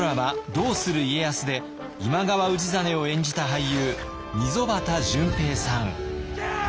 「どうする家康」で今川氏真を演じた俳優溝端淳平さん。